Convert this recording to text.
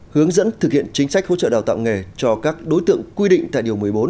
hướng dẫn thực hiện chính sách hỗ trợ đào tạo nghề cho các đối tượng quy định tại điều một mươi bốn